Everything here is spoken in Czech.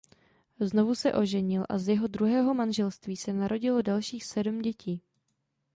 Znovu se oženil a z jeho druhého manželství se narodilo dalších sedm dětí.